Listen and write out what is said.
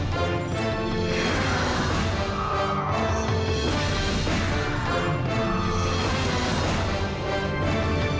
โปรดติดตามตอนต่อไป